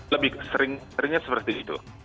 lebih seringnya seperti itu